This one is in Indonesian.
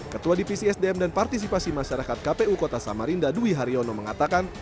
ketua divisi sdm dan partisipasi masyarakat kpu kota samarinda dwi haryono mengatakan